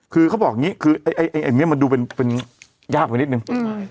คือเขาบอกอย่างนี้มันดูยากกว่านิดนึง